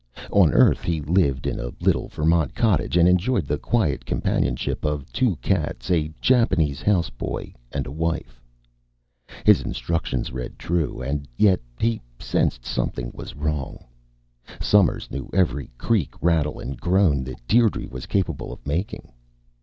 On Earth, he lived in a little Vermont cottage and enjoyed the quiet companionship of two cats, a Japanese houseboy, and a wife. His instructions read true. And yet he sensed something wrong. Somers knew every creak, rattle and groan that Dierdre was capable of making.